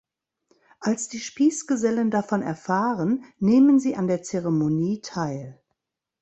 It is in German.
Als die Spießgesellen davon erfahren, nehmen sie an der Zeremonie teil.